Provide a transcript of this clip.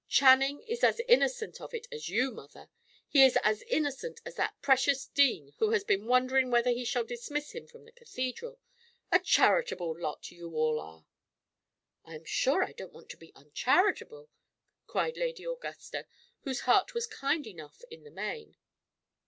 Channing is as innocent of it as you, mother; he is as innocent as that precious dean, who has been wondering whether he shall dismiss him from the Cathedral. A charitable lot you all are!" "I'm sure I don't want to be uncharitable," cried Lady Augusta, whose heart was kind enough in the main.